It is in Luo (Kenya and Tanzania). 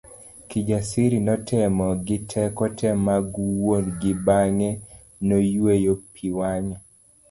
Kijasiri notemo gi teko te mag wuon gi bang'e noyueyo pi wang'e.